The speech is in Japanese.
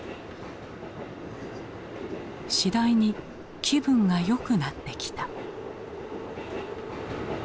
次第に気分がよくなってきた。